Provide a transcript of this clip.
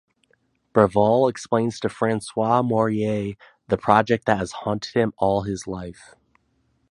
Breval explains to François Mourrier the project that has haunted him all his life.